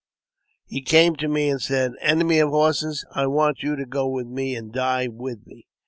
He came to me and said, " Enemy of Horses, I want you to go with me and die with me.